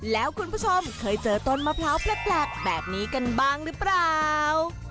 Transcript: แล้วคุณผู้ชมเคยเจอต้นมะพร้าวแปลกแบบนี้กันบ้างหรือเปล่า